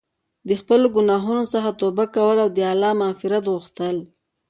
د خپلو ګناهونو څخه توبه کول او د الله مغفرت غوښتل.